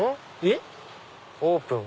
えっ？オープン！